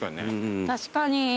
確かに。